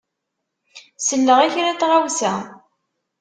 Selleɣ i kra n tɣawsa.